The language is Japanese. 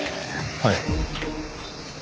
はい。